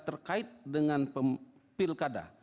terkait dengan pilkada